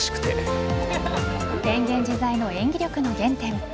変幻自在の演技力の原点。